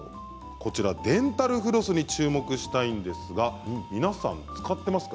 デンタルフロスに注目したいんですが皆さん、使っていますか？